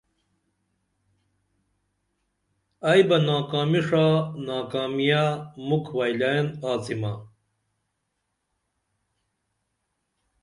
ائی بہ ناکامی ݜا ناکامیہ مُکھ وئیلین آڅیمہ